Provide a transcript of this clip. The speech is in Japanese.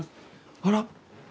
あら？